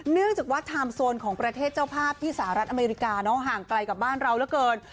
เนื่องจากว่าไทม์โซนของประเทศเจ้าภาพที่สหรัฐอเมริกาห่างไกลกับบ้านเราเหลือเกิน